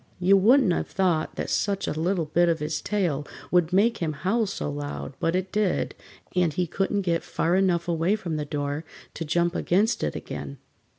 You wouldn't have thought that such a little bit of his tail would make him howl so loud, but it did, and he couldn't get far enough away from the door to jump against it again.